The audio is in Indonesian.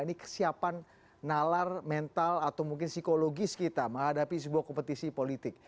ini kesiapan nalar mental atau mungkin psikologis kita menghadapi sebuah kompetisi politik